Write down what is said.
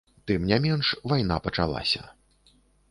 Тым не менш, вайна пачалася.